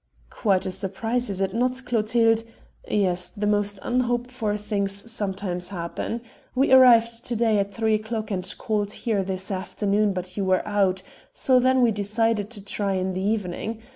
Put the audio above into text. "Quite a surprise, is it not, Clotilde? Yes, the most unhoped for things sometimes happen. We arrived to day at three o'clock and called here this afternoon but you were out; so then we decided to try in the evening.